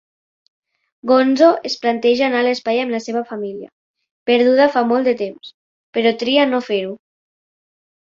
Gonzo es planteja anar a l'espai amb la seva família, perduda fa molt de temps, però tria no fer-ho.